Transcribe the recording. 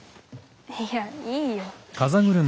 いやいいよ。